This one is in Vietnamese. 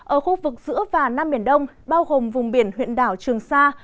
ở khu vực giữa và nam biển đông bao gồm vùng biển huyện đảo trường sa